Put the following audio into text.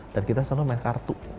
dan kita selalu main kartu